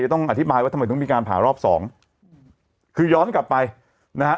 ต้องอธิบายว่าทำไมต้องมีการผ่ารอบสองคือย้อนกลับไปนะฮะ